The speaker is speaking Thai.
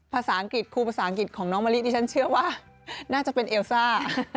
ภาษาอังกฤษครูภาษาอังกฤษของน้องมะลิดิฉันเชื่อว่าน่าจะเป็นเอลซ่า